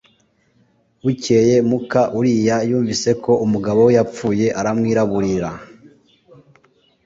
Bukeye muka Uriya yumvise ko umugabo we yapfuye, aramwiraburira.